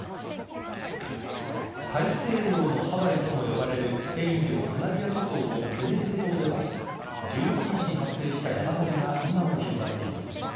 大西洋のハワイとも呼ばれるスペイン領カナリア諸島のテネリフェ島では１６日に発生した山火事が今も広がっています。